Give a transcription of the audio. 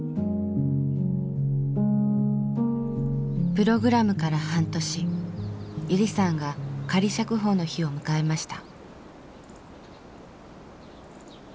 プログラムから半年ゆりさんが仮釈放の日を迎えました。